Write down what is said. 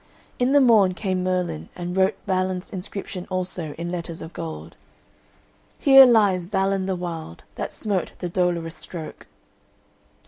In the morn came Merlin and wrote Balin's inscription also in letters of gold: "Here lieth Balin the Wild, that smote the dolorous stroke."